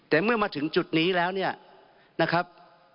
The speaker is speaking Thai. แต่เมื่อมาถึงจุดนี้แล้วเนี่ยนะครับ